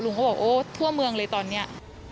ลุงเขาบอกว่าโอ๊ะทั่วเมืองเลยตอนนี้